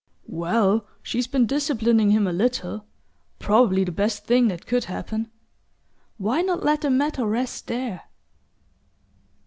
"Well, she's been disciplining him a little probably the best thing that could happen. Why not let the matter rest there?"